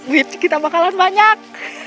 wih kita bakalan banyak